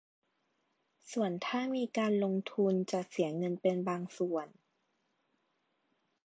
ส่วนถ้ามีการลงทุนจะเสียเงินเป็นบางส่วน